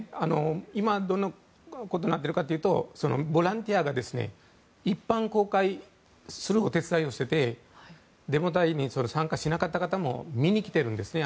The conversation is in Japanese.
今、どんなことになっているかというとボランティアが一般公開するお手伝いをしていてデモ隊に参加しなかった方も見に来てるんですね。